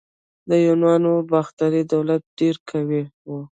د یونانو باختري دولت ډیر قوي و